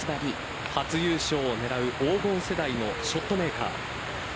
初優勝を狙う黄金世代のショットメーカー